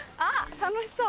楽しそう！